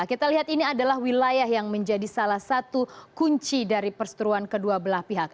kita lihat ini adalah wilayah yang menjadi salah satu kunci dari perseteruan kedua belah pihak